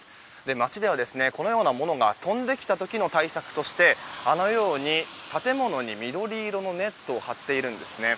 街では、このようなものが飛んできた時の対策として建物に緑色のネットを張っているんです。